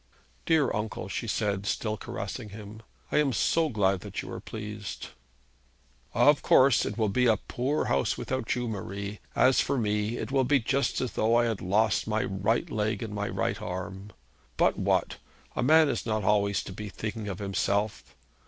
'Dear uncle,' she said, still caressing him, 'I am so glad that you are pleased.' 'Of course it will be a poor house without you, Marie. As for me, it will be just as though I had lost my right leg and my right arm. But what! A man is not always to be thinking of himself.